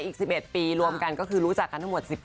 อีก๑๑ปีรวมกันก็คือรู้จักกันทั้งหมด๑๕